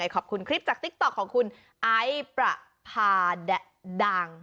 ขอบคุณคลิปจากติ๊กต๊อกของคุณไอซ์ประพาดัง